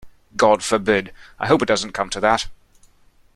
God forbid! I hope it doesn't come to that.